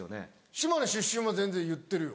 島根出身は全然言ってるよ。